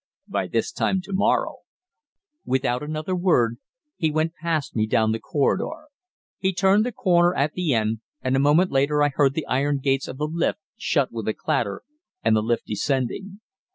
By this time to morrow " Without another word he went past me down the corridor. He turned the corner at the end, and a moment later I heard the iron gates of the lift shut with a clatter, and the lift descending.